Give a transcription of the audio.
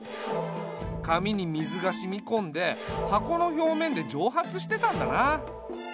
紙に水が染み込んで箱の表面で蒸発してたんだな。